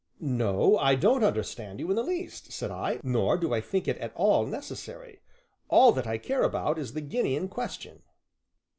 "No, I don't understand you in the least," said I, "nor do I think it at all necessary; all that I care about is the guinea in question."